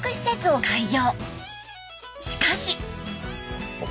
しかし。